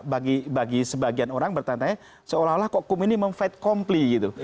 bagi sebagian orang bertanya seolah olah kok kum ini memfede kompli gitu